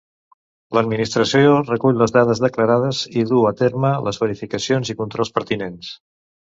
L'administració recull les dades declarades i duu a terme les verificacions i controls pertinents.